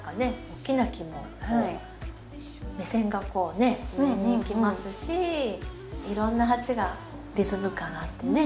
大きな木も目線がこうね上に行きますしいろんな鉢がリズム感あってね